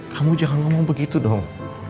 kamu jangan ngomong begitu dong